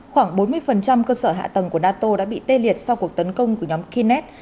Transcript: khoảng bốn mươi cơ sở hạ tầng của nato đã bị tê liệt sau cuộc tấn công của nhóm kinnes